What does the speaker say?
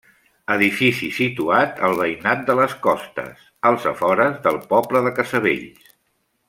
Edifici situat al veïnat de les Costes, als afores del poble de Casavells.